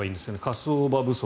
火葬場不足